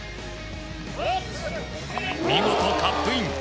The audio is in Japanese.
見事カップイン！